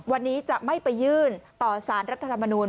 วันนี้จะไม่ไปยื่นต่อสารรัฐธรรมนูล